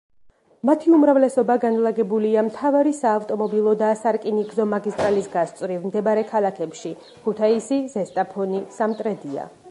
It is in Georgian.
მათი უმრავლესობა განლაგებულია მთავარი საავტომობილო და სარკინიგზო მაგისტრალის გასწვრივ მდებარე ქალაქებში: ქუთაისი, ზესტაფონი, სამტრედია.